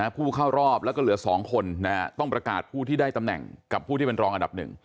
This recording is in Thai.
ผู้เข้ารอบแล้วก็เหลือ๒คนต้องประกาศผู้ที่ได้ตำแหน่งกับผู้ที่เป็นรองอันดับ๑